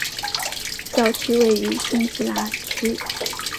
教区位于辛吉达区。